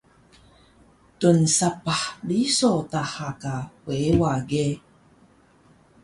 Tnsapah riso daha ka weewa ge